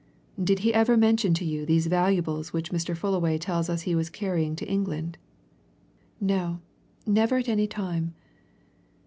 "Did he ever mention to you these valuables which Mr. Fullaway tells us he was carrying to England!" "No never at any time."